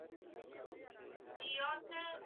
Bya kubambabamba bita kuuwisha